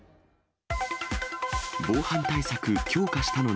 防犯対策強化したのに。